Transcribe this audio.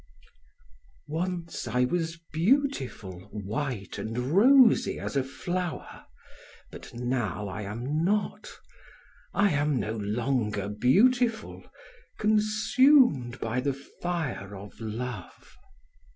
Once I was beautiful, white and rosy as a flower; but now I am not. I am no longer beautiful, consumed by the fire of love.